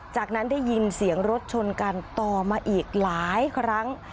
จากนั้นได้ยินเสียงรถชนกันต่อมาอีกหลายครั้ง